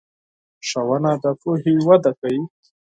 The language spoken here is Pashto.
ښوونه د پوهې وده کوي.